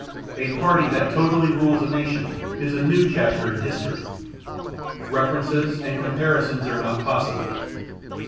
A party that totally rules a nation is a new chapter in history. References and comparisons are not possible.